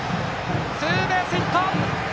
ツーベースヒット！